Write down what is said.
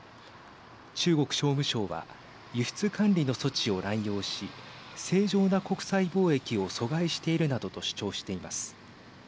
中国商務省は輸出管理の措置を乱用し正常な国際貿易を阻害しているなどと主張しています。